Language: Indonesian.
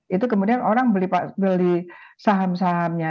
itu kemudian orang beli saham sahamnya